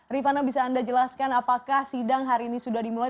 rifana bisa anda jelaskan apakah sidang hari ini sudah dimulai